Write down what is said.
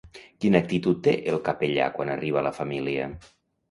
Quina actitud té el capellà quan arriba la família?